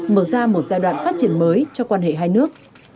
mở ra một giai đoạn phát triển mới cho quan hệ hai nước